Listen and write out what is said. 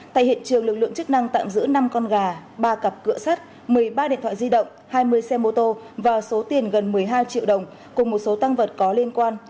tại hiện trường lực lượng chức năng tạm giữ năm con gà ba cặp cửa sắt một mươi ba điện thoại di động hai mươi xe mô tô và số tiền gần một mươi hai triệu đồng cùng một số tăng vật có liên quan